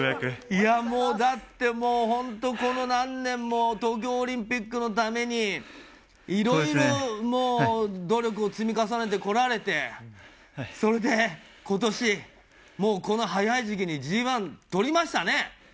いや、もう、だってもう、本当、この何年も、東京オリンピックのために、いろいろもう、努力を積み重ねてこられて、それでことし、もうこの早い時期にＧＩ取りましたね。